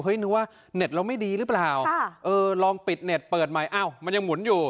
นึกว่าเน็ตเราไม่ดีหรือเปล่าเออลองปิดเน็ตเปิดใหม่อ้าวมันยังหมุนอยู่